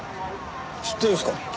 知ってるんですか？